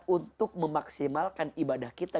untuk memaksimalkan ibadah kita